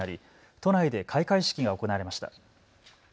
都内で開会式が行われました。